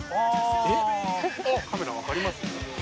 あぁカメラ分かります？